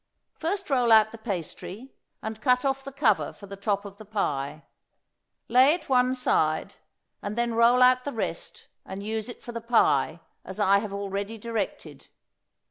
First roll out the pastry, and cut off the cover for the top of the pie. Lay it one side, and then roll out the rest and use it for the pie, as I have already directed.